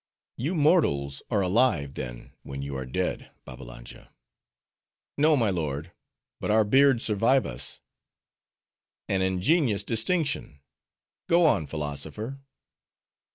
"You mortals are alive, then, when you are dead, Babbalanja." "No, my lord; but our beards survive us." "An ingenious distinction; go on, philosopher."